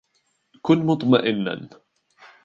كن مطمئنّا.